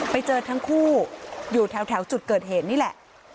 ไปเจอทั้งคู่อยู่แถวจุดเกิดเหตุนี่แหละ